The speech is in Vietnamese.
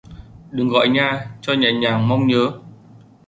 Đừng gọi nha, cho nhẹ nhàng mong nhớ